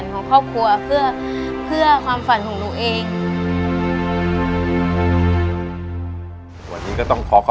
หนูรู้สึกดีมากเลยค่ะ